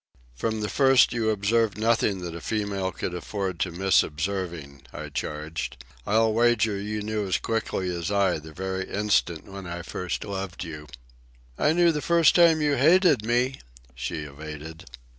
"From the first you observed nothing that a female could afford to miss observing," I charged. "I'll wager you knew as quickly as I the very instant when I first loved you." "I knew the first time you hated me," she evaded.